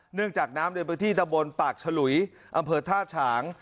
เนื่องจากน้ำในพื้นที่ตะบนปากฉลุยอำเภอท่าฉาง